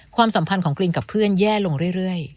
ความสัมพันธ์ของกรีนกับเพื่อนแย่ลงเรื่อย